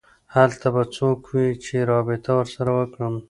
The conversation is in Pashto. هلته به څوک وي چې رابطه ورسره وکړم